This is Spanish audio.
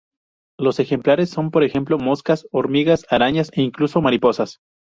Los ejemplares son por ejemplo moscas, hormigas, arañas, e incluso mariposas.